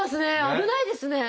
危ないですね。